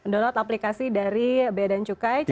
download aplikasi dari beadan cukai caranya